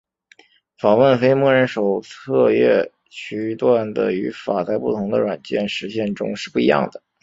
访问非默认手册页区段的语法在不同的软件实现中是不一样的。